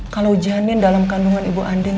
kalau janin dalam kandungan ibu andin